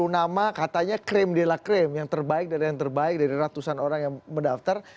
empat puluh nama katanya krem dia lah krem yang terbaik dari yang terbaik dari ratusan orang yang mendaftar